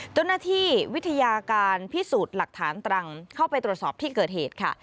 เจ้าหน้าที่วิทยาการพิสูจน์หลักฐานตรังเข้าไปตรวจสอบที่เกิดเหตุค่ะ